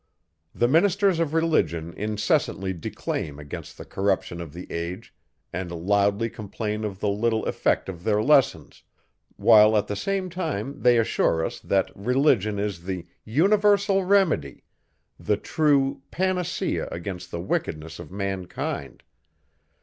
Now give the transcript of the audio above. The ministers of religion incessantly declaim against the corruption of the age, and loudly complain of the little effect of their lessons, while at the same time they assure us, that religion is the universal remedy, the true panacea against the wickedness of mankind.